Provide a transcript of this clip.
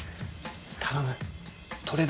頼む。